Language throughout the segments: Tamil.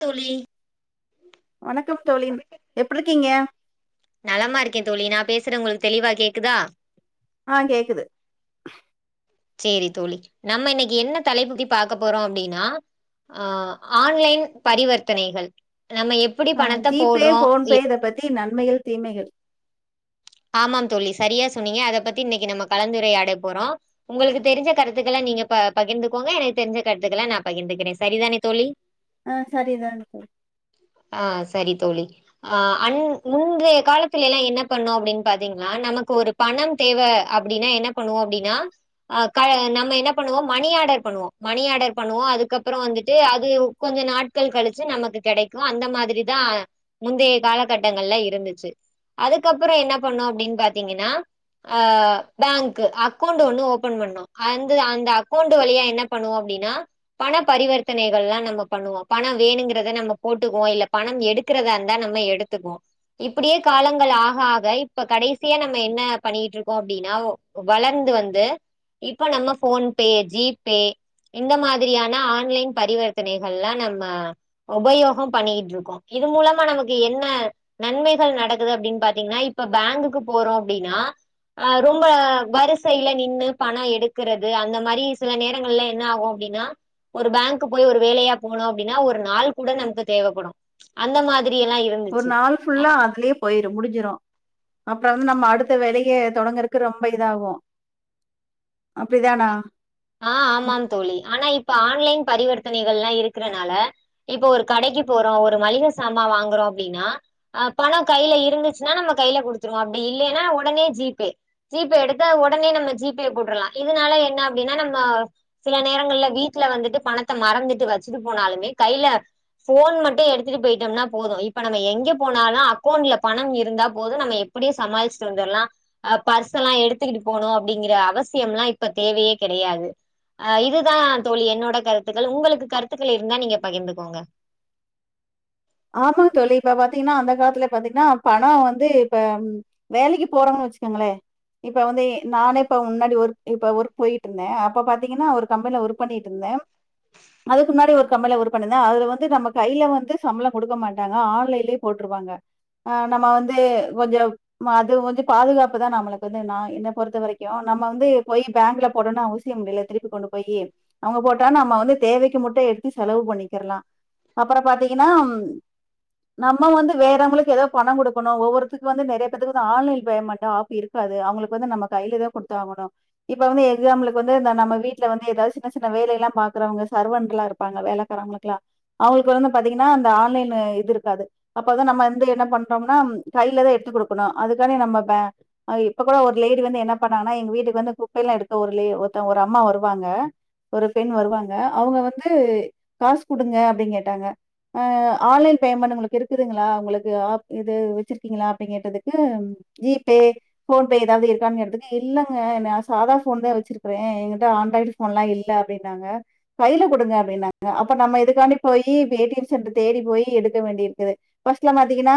தோழி வணக்கம் தோழி எப்டிருக்கீங்க நலமா இருக்கே [unintelligible] உங்களுக்கு தெளிவா கேக்குதா ஆஹ் கேக்குது சேரி தோழி நம்ம இன்னைக்கு என்ன தலைப்பத்தி பாக்க போறோ அப்டின்னா அஹ் ஆன்லைன் பரிவர்த்தனைகள் நம்ம எப்டி ஆ பணத்த ஜி பே போடுறோ போன் பே எ இத பத்தி நன்மைகள் தீமைகள் ஆமாம் தோழி சரியா சொன்னீங்க அத பத்தி இன்னைக்கு நம்ம கலந்துரையாட போறோ உங்களுக்கு தெரிஞ்ச கருத்துக்கெல்லா நீங்க ப பகிர்ந்துக்கோங்க எனக்கு தெரிஞ்ச கருத்துகள நா பகிர்ந்துக்கிறே சரிதானே தோழி ஆஹ் சரிதானே தோ ஆ சரி தோழி ஆ அன் முந்தைய காலத்துலல்லா என்ன பண்ணோ அப்டின்னு பாத்திங்கனா நமக்கு ஒரு பணம் தேவ அப்படின்னா என்ன பண்ணுவோ அப்டின்னா ஆ நம்ம என்ன பண்ணுவோ மணி ஆர்டர் பண்ணுவோ மணி ஆர்டர் பண்ணுவோ அதுக்கப்புறம் வந்துட்டு அது கொஞ்சோ நாட்கள் கழிச்சு நமக்கு கெடைக்கு அந்த மாதிரிதா முந்தைய காலகட்டங்கள்ல இருந்துச்சு அதுக்கப்புறோ என்ன பண்ணோ அப்படின்னு பாத்தீங்கன்னா அ பேங்க் அ அக்கௌண்ட் ஒண்ணு ஓபன் பன்னோ அந்த அந்த அக்கௌண்ட் வழியா என்ன பண்ணுவோ அப்படின்னா பண பரிவர்த்தனைகள்லா நம்ம பண்ணுவோ பணம் வேணுங்கிறத நம்ம போட்டுக்குவோ இல்ல பணம் எடுக்கிறதா இருந்தா நம்ம எடுத்துக்குவோ இப்படியே காலங்கள் ஆக ஆக இப்ப கடைசியா நம்ம என்ன பண்ணிட்டு இருக்கோ அப்டின்னா வளர்ந்து வந்து இப்ப நம்ம போன் பே ஜி பே இந்த மாதிரியான ஆன்லைன் பரிவர்த்தனைகள்லா நம்ம உபயோகம் பண்ணிட்டு இருக்கோம் இது மூலமா நமக்கு என்ன நன்மைகள் நடக்குது அப்டின்னு பா்த்தீங்கன்னா இப் இப்ப பேங்குக்கு போறோ அப்படின்னா அ ரொம்ப வரிசையில நின்னு பணம் எடுக்கிறது அந்த மாரி சில நேரங்கள்ல என்ன ஆகும் அப்படின்னா ஒரு பேங்க்கு போய் ஒரு வேலையா போனோ அப்படின்னா ஒரு நாள் கூட நமக்கு தேவப்படும் அந்த மாதிரி எல்லா ஒரு இருந்துச்சு நாள் ஃபுல்லா அதுலயே போயிரும் முடிஞ்சிரு அப்புறம் வந்து நம்ம அடுத்த ளைய தொடங்குரக்கு ரொம்ப இதாகு அப்படிதானா ஆஹ் ம். ஆமாம் தோழி ஆனா இப் இப்ப ஆன்லைன் பரிவர்த்தனைகள்லா இருக்கறனால இப்போ ஒரு கடைக்கு போறோ ஒரு மளிக சாமா வாங்குறோ அ அப்படின்னா பணம் கையில இருந்துச்சுன்னா நம்ம கையில கொடுத்துருவோ அப்படி இல்லன்னா உடனே ஜி பே ஜி பே எடுத்து உடனே நம்ம ஜி பே போட்டுலா இதனால என்ன அப்டினா நம்ம சில நேரங்கள்ல வீட்டுல வந்துட்டு பணத்த மறந்துட்டு வச்சுட்டு போனாலுமே கையில போன் மட்டு எடுத்துட்டு போயிட்டோம்னா போது இப்ப நம்ம எங்க போனாலு அக்கௌண்ட்ல பணம் இருந்தா போது நம்ம எப்படியு சமாளிச்சுட்டு வந்தர்லா அ பர்ஸ் எல்லா எடுத்துக்கிட்டு போணு அப்படிங்கிற அவசியம்லா இப்ப தேவையே கெடையாது அஹ் இதுதா தோழி என்னோட கருத்துக்கள் உங்களுக்கு கருத்துக்கள் இருந்தா நீங்க பகிர்ந்துக்கோங்க ஆமா தோழி இப்ப பாத்தீங்கன்னா அந்த காலத்துல பாத்தீங்கன்னா பணம் வந்து இப்ப வேலைக்கு போறோன்னு வச்சுக்கோங்களே இப்ப வந்து நானே இப்ப முன்னாடி ஒர்க் இப்ப ஒர்க் போயிட்டு இருந்தே அப்ப பாத்தீங்கன்னா ஒரு கம்பெனில ஒர்க் பண்ணிட்டு இருந்தே அதுக்கு முன்னாடி ஒரு கம்பனில ஒர்க் பண்ணிருந்தே அதுல வந்து நம்ம கையில வந்து சம்பளம் கொடுக்க மாட்டாங்க ஆன்லைன்லயே போட்டிருவாங்க அ நம்ம வந்து கொஞ்சோ அது வ பாதுகாப்பு தா நமளுக்கு வந்து என்ன பொறுத்த வரைக்கு நம்ம வந்து போய் பேங்க்ல போடனு அவசியம் இல்ல திருப்பி கொண்டு போய் அவங்க போட்டா நம்ம வந்து தேவக்கு முட்டு எடுத்து செலவு பண்ணிக்கர்லா அப்புறோ பாத் ஏன்னா நம்ம வந்து வேறவங்களுக்கு ஏதோ பணம் கொடுக்கணு ஒவ்வொருத்துக்கு வந்து நெறைய பேத்துக்கு ஆன்லைன் பேமெண்ட ஆப் இருக்காது அவங்களுக்கு வந்து நம்ம கையிலதா கொடுத்தாகணு இப்ப வந்து எக்சாம்புள்க்கு வந்து நம்ம வீட்டுல வந்து ஏதாவது சின்ன சின்ன வேலை எல்லா பாக்குறவங்க சர்வண்டலா இருப்பாங்க வேலக்காரவங்களுக்குலா அவங்களுக்கு வந்து பாத்தீங்கன்னா அந்த ஆன்லைன் இது இருக்காது அப்பதா நம்ம வந்து என்ன பண்றோம்னா கையிலதா எடுத்து கொடுக்கணு அதுக்கான நம்ம ப இப்ப கூட ஒரு லேடி வந்து என்ன பண்ணாங்கன்னா எங்க வீட்டுக்கு வந்து குப்பைல்லா எடுக்க ஒரு லே ஒருத்த ஒரு அம்மா வருவாங்க ஒரு பெண் வருவாங்க அவங்க வந்து காசு குடுங்க அப்டின்னு கேட்டாங்க ஆ ஆன்லைன் பேமெண்ட் உங்களுக்கு இருக்குதுங்களா உங்களுக்கு இது வச்சிருக்கீங்களா அப்டின் கேட்டதுக்கு ஜி பே போன் பே ஏதாவது இருக்கான்னு கேட்டதுக்கு இல்லங்க நா சாதா போன் தா வச்சிருக்கிறே எங்கிட்ட ஆண்ட்ராய்டு போன் எல்லா இல்ல அப்டின்னாங்க கையில கொடுங்க அப்படின்னாங்க அப்ப நம்ம இதுக்காண்டி போயி ஏ டி எம் சட் தேடி போய் எடுக்க வேண்டிது இருக்குது பர்ஸ்ட்லா பாத்தீங்கன்னா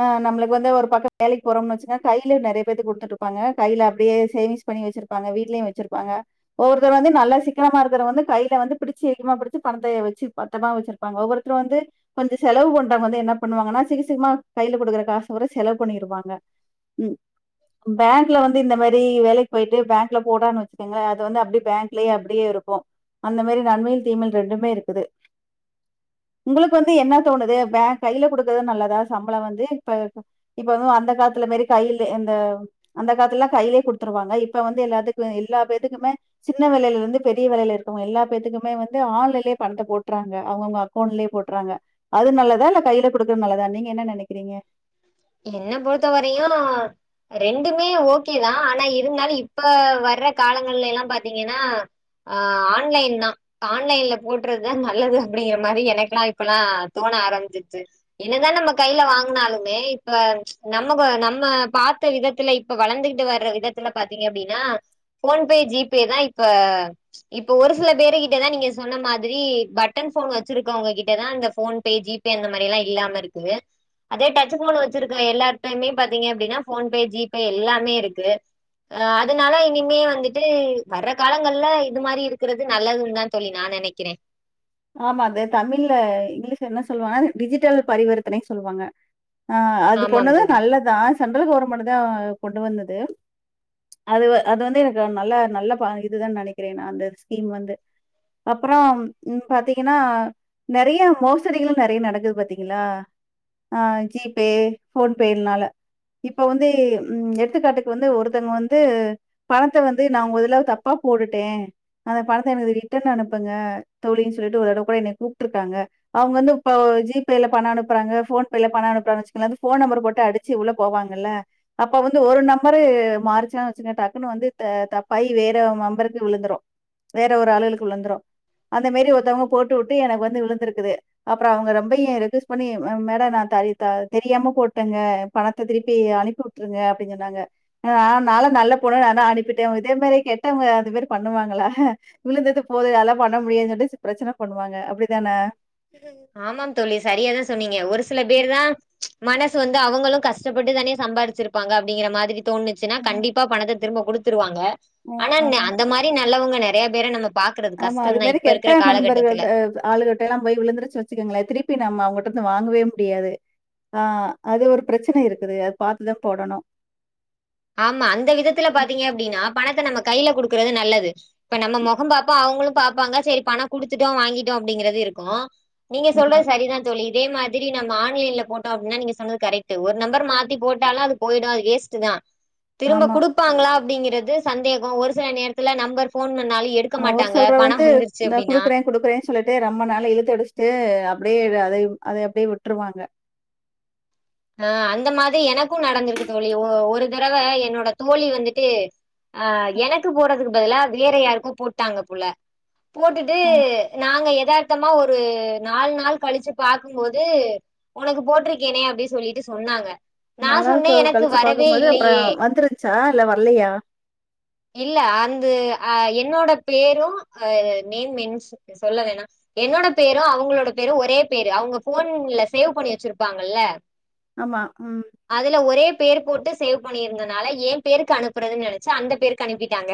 அ நம்ளுக்கு வந்து ஒரு பக்க வேலைக்கு போறம்னு வச்சுனா கைலயே நைரய பேத்துக்கு குடுத்துட்ருப்பாங்க கைல அப்படியே சேவி்ங்ஸ் பண்ணி வச்சிருப்பாங்க வீட்லயு வச்சிருப்பாங்க ஒவ்வொருத்தர் வந்து நல்ல சிக்கனமா இருக்குறவங்க வந்து கைல வந்து பிடிச்சு இறுக்கமா பிடிச்சு பணத்த வச்சு பத்தரமா வச்சிருப்பாங்க ஒவ்வொரு வந்து கொஞ்சம் செலவு பண்ரவங்க வந்து என்ன பண்ணுவாங்கன்னா சிகி சிகுமா கைல கொடுக்கற காசு கூட செலவு பண்ணிருவாங்க பேங்க்ல வந்து இந்த மாரி வேலை போய்ட்டு பேங்க்ல போட்டான்னு வச்சுக்கோங்களேன் அது வந்து அப்படி பேங்க்லயே அப்படியே இருக்கு அந்த மாதிரி நன்மையில் தீமகள் ரெண்டுமே இருக்குது உங்களுக்கு வந்து என்ன தோணுது பே கையில குடுக்கறது நல்லதா சம்பள வந்து இப்ப இப்ப வந்து அந்த காலத்துல மாரி கையில அந்த அந்த காலத்துலல்லா கையிலயே குடுத்துருவாங்க இப்ப வந்து எல்லாத்துக்கு எல்லா பேத்துக்குமே சின்ன வேலையில இருந்து பெரிய வேலையில இருக்கவுங்க எல்லா பேத்துக்குமே வந்து ஆன்லைன்லயே பணத்த போட்டுறாங்க அவங்கவுங்க அக்கோன்ட்லயே போட்றாங்க அது நல்லதா இல்ல கைல குடுக்குறது நல்லதா நீங்க என்ன நினைக்கிறீங்க என்ன பொறுத்த வரையு ரெண்டுமே ஓகேதா ஆனா இருந்தாலு இப்ப வர்ற காலங்கள்ல எல்லாம் பாத்தீங்கன்னா ஆஹ் ஆன்லைன் தா ஆன்லைன்ல போட்டுறதுதா நல்லது அப்படிங்கற மாதிரி எனக்கெல்லா இப்பல்லா தோண ஆரம்பிச்சிச்சு என்னதா நம்ம கைல வாங்குனாலு மே இப்ப நம்ம நம்ம பாத்த விதத்துல இப்ப வளந்துகிட்டு வர விதத்துல பாத்திங்க அப்டின்னா ஃபோன்பே ஜிபேதா இப்ப இப்ப ஒரு சில பேரு கிட்டதா நீங்க சொன்ன மாதிரி பட்டன் ஃபோன் வச்சிருக்கவங்க கிட்டதா இந்த ஃபோன்பே ஜிபே அந்த மாரிலா இல்லாம இருக்கு அதே ட ச்சு ஃபோனு வச்சிருக்க எல்லார்டைமே பாத்தீங்க அப்டின்னா ஃபோன்பே ஜிபே எல்லாமே இருக்கு அஹ் அதுனால இனிமே வந்துட்டு வர்ற காலங்கள்ல இது மாரி இருக்றது நல்லதுன்னு தா தோழி நா நெனைக்கற ஆமா அது தமிழ்ல இங்கிலீஷ்ல என்ன சொல்வாங்க டிஜிட்டல் பரிவர்த்தனை சொல்லுவாங்க ஆஹ் அது ஆமாம் கொண்டது தோழி. நல்லதா சென்ட்ரல் கவர்மெண்ட் தா கொண்டு வந்தது அது வ அது வந்து எனக்கு நல்ல நல்ல பா இதுதா நெனைக்கிறே நா அந்த ஸ்கீம் வந்து அப்புறம் ம் பாத்தீங்கனா நெறைய மோசடிகளு நெறைய நடக்குது பாத்தீங்களா ஆஹ் ஜிபே ஃபோன்பேனால இப்போ வந்து எடுத்துக்காட்டுக்கு வந்து ஒருத்தங்க வந்து பணத்த வந்து நா உங்க இதுல தப்பா போட்டுட்டே அந்த பணத்த எனக்கு ரிட்டன் அனுப்புங்க தோழின்னு சொல்லிட்டு ஒருதடவ கூட என்னய கூப்டுருக்காங்க அவுங்க வந்து இப்ப ஜிபேல பண அனுப்புறாங்க ஃபோன்பேல பணோ அனுப்றாங்கனு வச்சுக்கோங்கள ஃபோன் நம்பர் போட்டு அடிச்சு உள்ள போவாங்கல்ல அப்ப வந்து ஒரு நம்பரு மாறிச்சா வச்சுக்க டக்குன்னு வந்து த தப்பாயி வேற நம்பருக்கு விழுந்துரு வேற ஒரு ஆளுகளுக்கு விழுந்துரு அந்த மேரி ஒருத்தவங்க போட்டு வுட்டு எனக்கு வந்து விழுந்திருக்குது அப்புற அவங்க ரொம்பையு ரெக்வஸ்ட் பண்ணி ம மேட நா தரி தரி தெரியாம போட்டேங்க பணத்த திருப்பி அனுப்பிவுட்ருங்க அப்படின்னு சொன்னாங்க ந நாலா நல்ல பொண்ணு நாலா அனுப்பிட்டே இதே மாரி கெட்டவங்க அது மாரி பண்ணுவாங்களா விழுந்தது போது நா லா பண்ண முடியாது சொல்லிட்டு பிரச்சன பண்ணுவாங்க அப்டிதான ஆமாம் தோழி சரியாதா சொன்னீங்க ஒரு சில பேர்தா மனசு வந்து அவங்களு கஷ் கஷ்டப்பட்டு தானே சம்பாரிச்சிருப்பாங்க அப்டிங்கிற மாதிரி தோணுச்சுனா கண்டிப்பா பணத்த திரும்ப குடுத்துருவாங்க ம் ஆனா என்ன ஆமா. அந்த மாரி நா உள்ளவங்க நெறைய பேர நம்ம பாக்குறது ஆமா அது கஷ்டம் தான் மேரி இப்ப கெட்ட இருக்கிற காலகட்டத்துல. நண்பர்கள்ட ஆளுகட்டலா போய் விழுந்துரு சிக் வச்சுக்கங்களே திருப்பி நம்ம அவங்கள்ட இருந்து வாங்கவே முடியாது ஆ அது ஒரு பிரச்சன இருக்குது அது பாத்துதா போடணு ஆமா அந்த விதத்துல பாத்தீங்க அப்டின்னா பண நம்ம கையில குடுக்றது நல்லது இப்ப நம்ம ம். மொகம் பாப்போ அவங்களும் பாப்பாங்க சரி பண குடுத்துட்டோ வாங்கிட்டோ அப்டிங்றது இருக்கு நீங்க ஆமா, சொல்றது சரி தா தோழி அதே மாதிரி நம்ம ஆன்லைன்ல போட்டோ அப்டின்னா நீங்க சொன்னது கரெக்ட்டு ஒரு நம்பர் மாத்தி போட்டாலு அது போயிடு அது வேஸ்ட் தா திரும்ப ஆமா. குடுப்பாங்ளா அப்டிங்றது சந்தேக ஒரு சில நேரத்தில நம்பர் ஃபோன் பண் ஹ் ஒரு செல்ரு வந்து இந்த அப்டின்னா குடுக்குறே குடுக்குறேன்னு சொல்லிட்டு ரொம்ப நாளு இழுத்தடிச்சுட்டு அப்டியே அத அத அப்டியே விட்ருவாங்க ஆஹ் அந்த மாதிரி எனக்கு நடந்திருக்கு தோழி ஒ ஒரு தடவ என்னோட தோழி வந்துட்டு அஹ் எனக்கு போடுறதுக்கு பதிலா வேற யாருக்கோ போட்டாங்க போல போட்டுட்டு ம். நாங்க எதார்த்தமா ஒரு நாலு நாளு கழிச்சு பாக்கும்போது உனக்கு போட்ருக்கேனே அப்டி சொல்லிட்டு சொன்னாங்க நா நாலு சொன்னே நாளு எனக்கு கழிச்சு வரவே பாக்கும்போது அப்புற இல்லையே வந்துருச்சா இல்ல வரலையா அஹ் என்னோட பேரு அஹ் நேம் மென் சொல்ல வேணா என்னோட பேரு அவுங்ளோட பேரு ஒரே பேரு அவுங்க போன்ல சேவ் பண்ணி வச்சிருப்பாங்கல்ல ஆமா. ம். அதுல ஒரே பேர் போட்டு சேவ் பண்ணியிருந்ததுனால ஏ பேருக்கு அனுப்புறதுன் நெனைச்சு அந்த பேருக்கு அனுப்பிட்டாங்க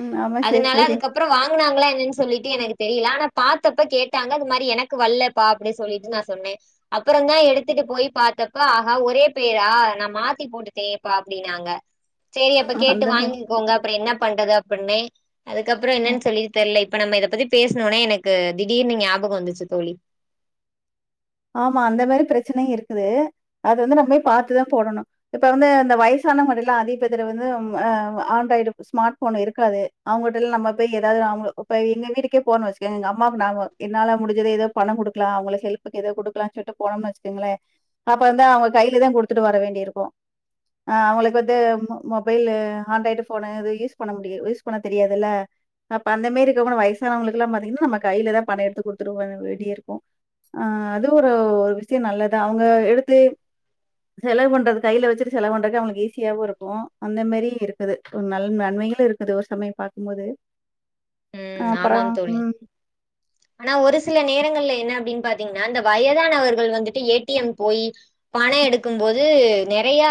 ம். ஆமா. சரி, அதனால சரி. அதுக்கப்புறம் வாங்கனாங்களா சொல்லிட்டு எனக்கு தெரியல ஆன பாத்தப்ப கேட்டாங்க அதுமாரி எனக்கு வல்ல பா அப்டி சொல்லிட்டு நா சொன்னே அப்புறந்தா எடுத்து பத்துட்டு போய் பார்த்தப்ப ஆகா ஒரே பேரா நான் மாத்தி போட்டுட்டேன்ப்பா அப்படின்னாங்க செரி அப்ப கேட்டு அந்த வாங்கிக்கோங்க அப்புற என்ன பண்றது பண்ணே அதுக்கப்புறோ என்னன்னு சொல்லி தெர்லை இப்ப நம்ம இதை பத்தி பேசணுனொனே எனக்கு திடீர்னு ஞாபகம் வந்துச்சு தோழி ஆமா அந்த மேரி பிரச்சனையும் இருக்குது அது வந்து நம்மே பாத்துதா போடணு இப்ப வந்து இந்த வயசானவங்க இதெல்லா அதிகப் பேர்த்துகிட்ட வந்து ஆண்ட்ராய்டு ஸ்மார்ட் போன் இருக்காது அவங்ககிட்டலா நம்ம போய் ஏதாவது இப்ப எங்க வீட்டுக்கே போறணு வச்சுக்க எங்க அம்மாவுக்கு நாம என்னால முடிஞ்சது ஏதோ பணம் கொடுக்கலா அவங்களுக்கு ஹெல்ப் எதோ குடுக்கலான்னு சொல்ட்டு போனோம்னு வச்சுக்கோங்களேன் அப்ப வந்து அவங்க கையிலதா குடுத்துட்டு வர வேண்டியிருக்கும் ஆஹ் அவங்களுக்கு வந்து மொபைல் ஆண்ட்ராய்டு போனு இது யூஸ் பண்ண முடிய யூஸ் பண்ண தெரியாதுல்ல அப்ப அந்த மேரி இருக்கவங்க வயசானவங்களுக்குலாம் பாத்தீங்கன்னா நம்ம கையிலதா பணம் எடுத்து கொடுத்துட்டு வர வேண்டிய இருக்கும் அஹ் அதுவும் ஒரு ஒரு விஷயம் நல்லதா அவங்க எடுத்து செலவு பண்றது கையில வச்சுட்டு செலவு பண்றதுக்கு அவங்களுக்கு ஈஸியாவும் இருக்கும் அந்த மேரி இருக்குது ஒரு நல்ல நன்மைகளும் இருக்குது ஒரு சமயம் பாக்கும்போது உம் ஆமாம் தோழி ஆனா ஒரு சில நேரங்கள்ல என்ன அப்படின் பாத் [unintelligible] அந்த வயதானவர்கள் வந்துட்டு ஏ டி எம் போயி பண எடுக்கும் போது நெறையா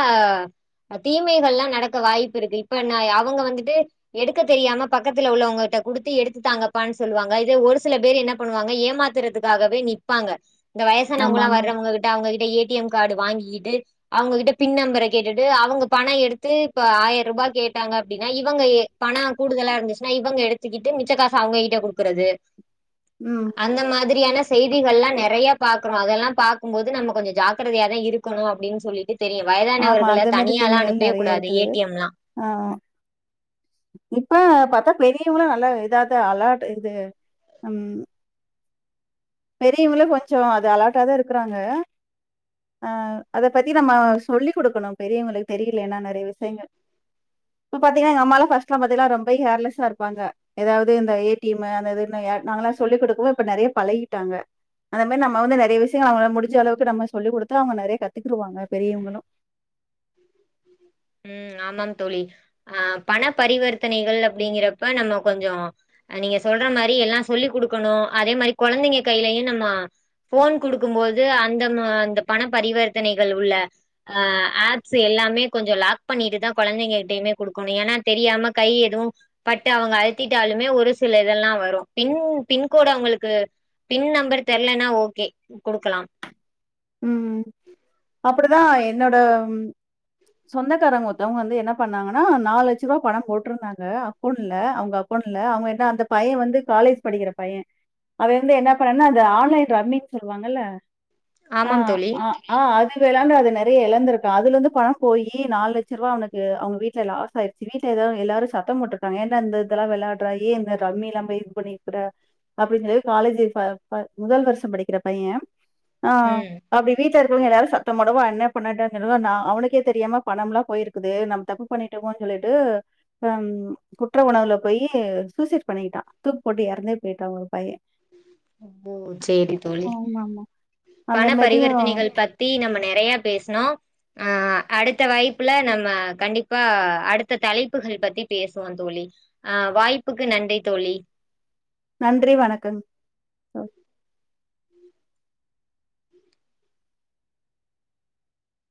தீமைகள்லாம் நடக்க வாய்ப்பு இருக்கு இப்ப ந அவங்க வந்துட்டு எடுக்க தெரியாம பக்கத்துல உள்ளவங்ககிட்ட குடுத்து எடுத்துதாங்கப்பான்னு சொல்லுவாங்க இத ஒரு சில பேர் என்ன பண்ணுவாங்க ஏமாத்துறதுக்காகவே நிப்பாங்க இந்த வயசானவங்கலா ஆமாமா. வர்றவங்க கிட்ட அவங்ககி ஏ டி எம் கார்டு வாங்கிகிட்டு அவங்ககிட்ட பின் நம்பரை கேட்டுட்டு அவங்க பணம் எடுத்து இப்ப ஆயிரம் ரூபா கேட்டாங்க அப்படினா இவங்க எ பணம் கூடுதலா இருந்துச்சுனா இவங்க எடுத் வச்சிக்கிட்டு மிச்ச காசு அவங்க கிட்ட குடுக்குறது ம். அந்த மாதிரியான செய்திகள்லா நெறைய பாக்குறோம் அதெல்லாம் பாக்கும்போது நம்ம கொஞ்சம் ஜாக்கிரதையா தா இருக்கனு அப்படின் சொல்லிட்டு தெரியும். ஆமா வயதானவர்கள அந்த மேரி தனியாலாம் தீமைகள் அனுப்பவே நெறைய கூடாது இருக்குது ஏடிஎம்லாம். ஆஹ் இப்ப பாத்தா பெரியவங்களு நல்லா இதாதா அலாட் இது உஹம் பெரியவங்களும் கொஞ்சம் அது அலா்டா தா இருக்கறாங்க ஆஹ் அதை பத்தி நம்ம சொல்லிக் குடுக்கணும் பெரியவங்களுக்கு தெரியலன்னா நிறைய விஷயங்கள் இப்ப பாத்தீங்கன்னா எங்க அம்மாலா ஃபர்ஸ்ட்லாம் பாத்தீங்கன்னா ரொம்ப கேர்லெஸ்ஸா இருப்பாங்க ஏதாவது இந்த ஏ டி ம் மு அது இதுன்னு நாங்காலா சொல்லிக் குடுக்கவே இப்ப நெறைய பலகி டாங்க அந்த மேரி நம்ம வந்து நெறைய விஷயங்கள் அவங்க முடிஞ்ச அளவுக்கு நம்ம சொல்லி குடுத்தா அவங்க நெறைய கத்துக்குறுவாங்க பெரியவங்களும் உம் ஆமாம் தோழி அஹ் பண பரிவர்த்தனைகள் அப்படிங்கிறப்ப நம்ம கொஞ்சம் நீங்க சொல்ற மாரி எல்லாம் சொல்லிக் குடுக்கணு அதே மாரி கொலந்தைங்க கையிலயும் நம்ம போன் குடுக்கும் போது அந்த ம அந்த பண பரிவர்த்தனைகள் உள்ள அஹ் ஆப் சு எல்லாமே கொஞ்சம் லாக் பண்ணிட்டுதா கொலந்தைங்ககிட்டயுமே குடுக்கணும் ஏன்னா தெரியாம கை எதுவும் பட்டு அவங்க அழுத்திட்டாலுமே ஒரு சில இதெல்லாம் வரும் பின் பின்கோடு அவங்களுக்கு பின் நம்பர் தெரலன்னா ஓகே குடுக்கலாம் உஹம் அப்டிதா என்னோட சொந்தக்காரங்க ஒருத்தவங்க வந்து என்ன பண்ணாங்கன்னா நாலு லட்சம் ரூபா பணம் போட்டிருந்தாங்க அக்கௌண்ட்ல அவங்க அக்கௌண்ட்ல அவங்க என்ன அந்த பையன் வந்து காலேஜ் படிக்கிற பையன் அவை வந்து என்ன பண்ணனா அந்த ஆன்லைன் ரம்மினு சொல்லுவாங்கல்ல ஆமாம் ஆஹ் தோழி ஆ ஆஹ் அது விளாண்டு அதுல நிறைய இலந்திருக்கா அதுல இருந்து பணம் போயி நாலு லட்சரூவா அவனுக்கு அவங்க வீட்டுல லாஸ் ஆயிருச்சு வீட்டுல எதாவது எல்லாரும் சத்தம் போட்டிருக்காங்க ஏன்னா இந்த இதெல்லாம் விளாடுற ஏன் இந்த ரம்மிலாம் போயி இது பண்ணிருக்கற அப்டின் சொல்லி காலேஜ் [unintelligible] முதல் வருஷம் படிக்கிற பையன் ஆஹ் ம் அப்டி வீட்ல இருக்கவங்க எல்லாரு சத் சுத்த மடவா அன்னே [unintelligible] சொ [unintelligible] நா அவனுக்கே தெரியாம பணம்லா போயிருக்குது நம்ம தப்பு பண்ணிட்டோமோன் சொல்லிட்டு ஹம் குற்ற உணவுல போயி சூசைட் பண்ணிக்கிட்டா தூக்கு போட்டு எறந்தே போயிட்டா ஒரு பையன் ஓ சேரி தோழி ஆமாமா. அந்த பண மாரியும் பரிவர்த்தனைகள் பத்தி நம்ம நெறைய பேசனோ ஆ அடுத்த வாய்ப்புல நம்ம கண்டிப்பா அடுத்த தலைப்புகள் பத்தி பேசுவோம் தோழி ஆ வாய்ப்புக்கு நன்றி தோழி நன்றி வணக்கம் ஆ [inaudible]